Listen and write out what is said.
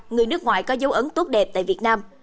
người nước ngoài có dấu ấn tốt đẹp tại việt nam